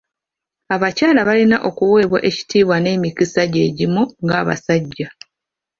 Abakyala balina okuweebwa ekitiibwa n'emikisa gyegimu ng'abasajja.